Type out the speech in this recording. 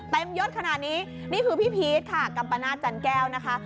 ยศขนาดนี้นี่คือพี่พีชค่ะกัมปนาศจันแก้วนะคะ